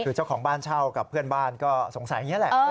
คือเจ้าของบ้านเช่ากับเพื่อนบ้านก็สงสัยอย่างนี้แหละ